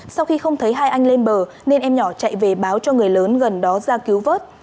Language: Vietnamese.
sau khi không thấy hai anh lên bờ nên em nhỏ chạy về báo cho người lớn gần đó ra cứu vớt